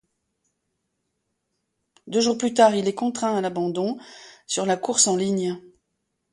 Deux jours plus tard, il est contraint à l'abandon sur la course en ligne.